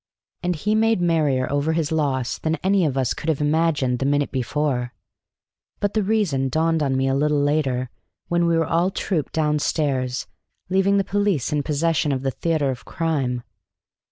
And he made merrier over his loss than any of us could have imagined the minute before; but the reason dawned on me a little later, when we all trooped down stairs, leaving the police in possession of the theatre of crime.